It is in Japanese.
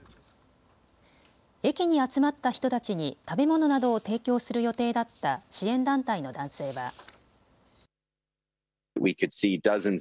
駅に集まった人たちに食べ物などを提供する予定だった支援団体の男性は。